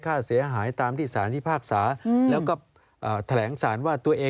ค่าเสียอายตามที่สารที่ภาคศา